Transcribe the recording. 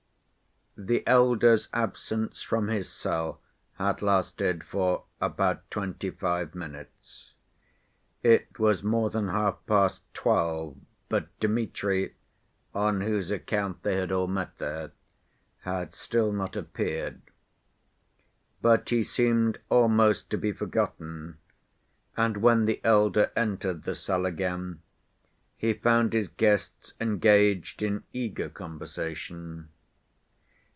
The elder's absence from his cell had lasted for about twenty‐five minutes. It was more than half‐past twelve, but Dmitri, on whose account they had all met there, had still not appeared. But he seemed almost to be forgotten, and when the elder entered the cell again, he found his guests engaged in eager conversation.